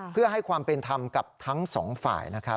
เพื่อให้ความเป็นธรรมกับทั้งสองฝ่ายนะครับ